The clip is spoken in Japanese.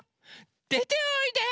でておいで！